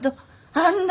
あんな。